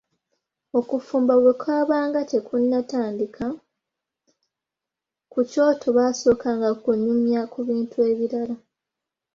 Okufumba bwe kwabanga tekunnatandika ku kyoto baasookanga kunyumya ku bintu ebirala.